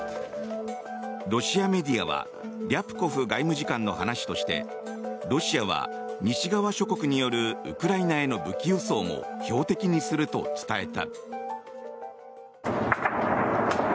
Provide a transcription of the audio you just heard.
ロシアメディアはリャプコフ外務次官の話としてロシアは西側諸国によるウクライナへの武器輸送も標的にすると伝えた。